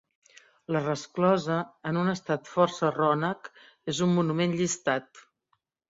La resclosa, en un estat força rònec és un monument llistat.